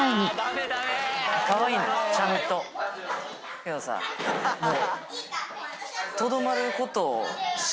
けどさもう。